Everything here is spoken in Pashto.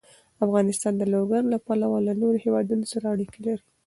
افغانستان د لوگر له پلوه له نورو هېوادونو سره اړیکې لري.